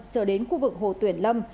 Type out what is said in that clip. chờ đến khu vực hồ tuyển lâm